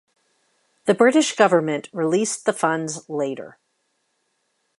The British government released the funds later.